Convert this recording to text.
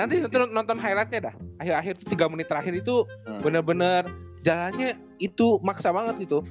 nanti nonton highlightnya dah akhir akhir itu tiga menit terakhir itu benar benar jalannya itu maksa banget gitu